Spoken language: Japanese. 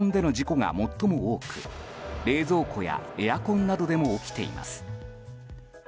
パソコンでの事故が最も多く冷蔵庫やエアコンなどでも起きています。